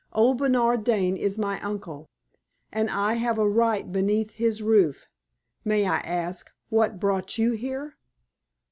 Old Bernard Dane is my uncle, and I have a right beneath his roof. May I ask what brought you here?"